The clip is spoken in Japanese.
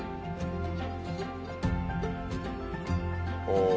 ああ。